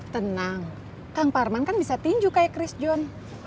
tenang kang parman kan bisa tinju kayak chris john